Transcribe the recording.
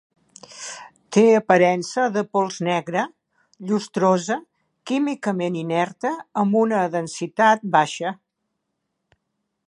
Té aparença de pols negra, llustrosa, químicament inerta amb una densitat baixa.